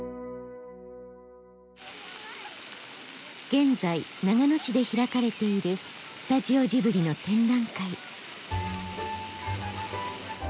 現在長野市で開かれているスタジオジブリの展覧会。